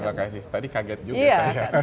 terima kasih tadi kaget juga saya